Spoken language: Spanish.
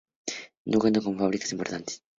No cuenta con fábricas importantes.